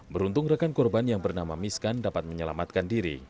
beruntung rekan korban yang bernama miskan dapat menyelamatkan diri